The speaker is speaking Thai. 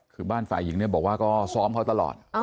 คือบ้านฝ่ายหญิงเนี่ยบอกว่าก็ซ้อมเขาตลอด